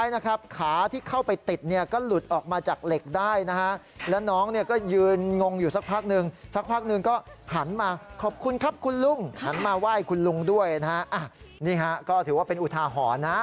นี่ฮะก็ถือว่าเป็นอุทาหรณ์นะ